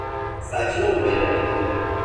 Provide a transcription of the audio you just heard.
Sakin olun beyler.